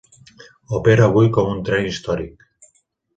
Opera avui com un tren històric.